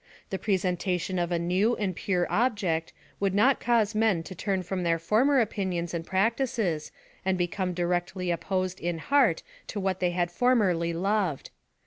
The presentation of a new and pure object, would not cause men to turn from their former opinions and practices, and be come directly opposed in heart to what they had formerly loved.